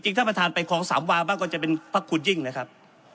ท่านประธานไปคลองสามวาบ้างก็จะเป็นพระคุณยิ่งนะครับ